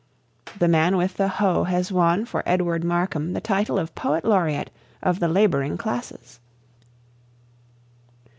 "The Man With the Hoe" has won for Edwin Markham the title of "Poet Laureate of the Labouring Classes."